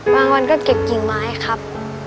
บางวันก็เก็บกินไม้ครับ